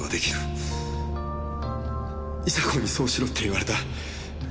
伊沙子にそうしろって言われた。